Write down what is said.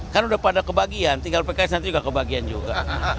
kan udah pada kebagian tinggal pks nanti juga kebagian juga